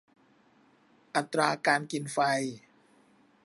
อัตราการกินไฟ